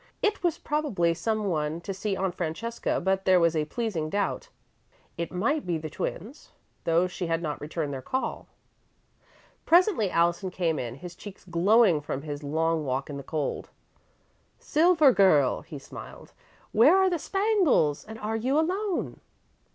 It was probably someone to see Aunt Francesca, but there was a pleasing doubt. It might be the twins, though she had not returned their call. Presently Allison came in, his cheeks glowing from his long walk in the cold. "Silver Girl," he smiled, "where are the spangles, and are you alone?"